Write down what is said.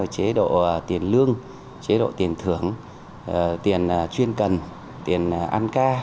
chế độ tiền lương chế độ tiền thưởng tiền chuyên cần tiền ăn ca